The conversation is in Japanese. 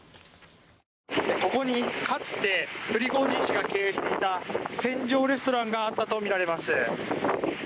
ここにかつてプリゴジン氏が経営していた船上レストランがあったとみられます。